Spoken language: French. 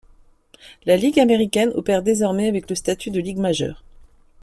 La Ligue américaine opère désormais avec le statut de ligue majeure.